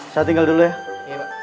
saya tinggal dulu ya